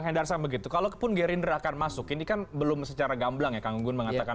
zulfan sama gitu kalaupun gerindra akan masuk ini kan belum secara gamblang ya kang gun mengatakan